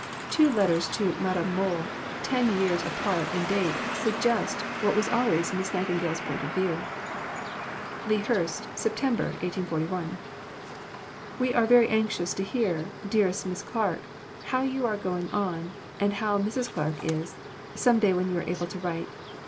Two letters to Madame Mohl, ten years apart in date, suggest what was always Miss Nightingale's point of view: LEA HURST, Sept. . We are very anxious to hear, dearest Miss Clarke, how you are going on, and how Mrs. Clarke is, some day when you are able to write.